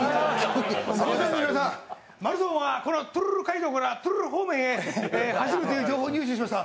マルゾウはこのトゥルルル街道からトゥルルル方面へ、走るという情報を入手しました